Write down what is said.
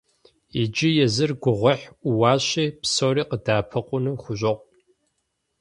Иджы езыр гугъуехь Ӏууащи, псори къыдэӀэпыкъуну хущӀокъу.